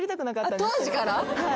当時から？